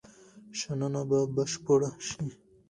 شننه به بشپړه شي.